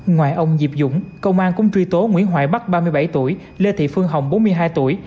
ngoài ông diệp dũng công an cũng truy tố nguyễn hoài bắc ba mươi bảy tuổi lê thị phương hồng bốn mươi hai tuổi